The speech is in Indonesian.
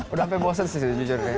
udah sampe bosen sih jujurnya